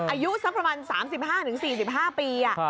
อายุสักประมาณ๓๕๔๕ปี